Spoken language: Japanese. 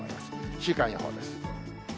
週間予報です。